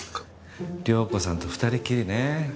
遼子さんと２人きりね。